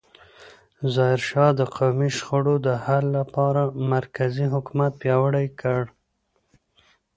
ظاهرشاه د قومي شخړو د حل لپاره مرکزي حکومت پیاوړی کړ.